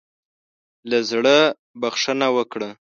له زړۀ بخښنه وکړه.